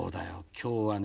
今日はね